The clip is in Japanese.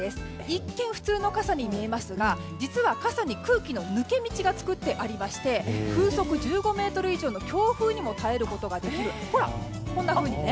一見、普通の傘に見えますが実は傘に空気の抜け道が作ってありまして風速１５メートル以上の強風にも耐えることができるという。